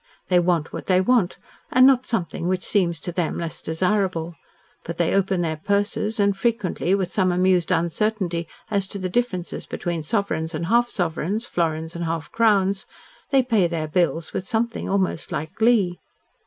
They want what they want, and not something which seems to them less desirable, but they open their purses and frequently with some amused uncertainty as to the differences between sovereigns and half sovereigns, florins and half crowns they pay their bills with something almost like glee.